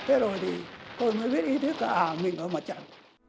thế rồi thì tôi mới biết ý thức hạ mình ở mặt trời